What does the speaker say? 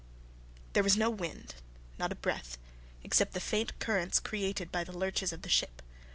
There was no wind, not a breath, except the faint currents created by the lurches of the ship.